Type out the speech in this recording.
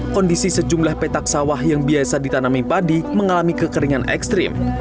kondisi sejumlah petak sawah yang biasa ditanami padi mengalami kekeringan ekstrim